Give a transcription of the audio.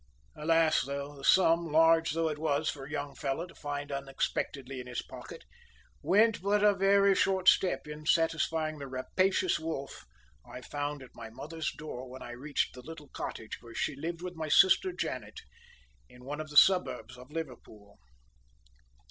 Alas, though, the sum, large though it was for a young fellow to find unexpectedly in his pocket, went but a very short step in satisfying the rapacious wolf I found at my mother's door when I reached the little cottage, where she lived with my sister Janet, in one of the suburbs of Liverpool.